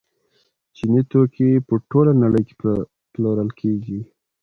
چیني توکي په ټوله نړۍ کې پلورل کیږي.